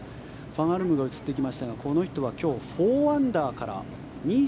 ファン・アルムが映ってきましたがこの人は今日４アンダーから２４位